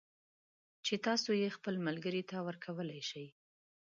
چې تاسو یې خپل ملگري ته ورکولای شئ